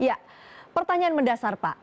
ya pertanyaan mendasar pak